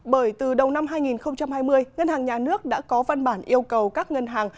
bởi từ đầu năm hai nghìn hai mươi ngân hàng nhà nước đã có văn bản yêu cầu các ngân hàng